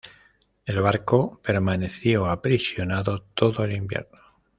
El barco permaneció aprisionado todo el invierno.